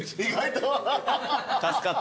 助かった。